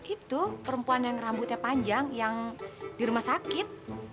itu perempuan yang rambutnya panjang yang di rumah sakit